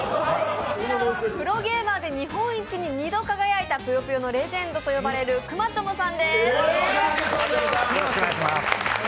こちらプロゲーマーで日本一に二度輝いたぷよぷよのレジェンドと呼ばれるくまちょむさんです。